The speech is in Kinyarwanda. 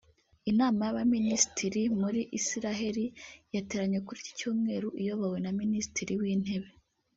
Inama y’abaminisitiri muri Isiraheli yateranye kuri iki Cyumweru iyobowe na Minisitiri w’Intebe